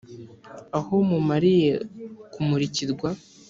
aho mumariye kumurikirwa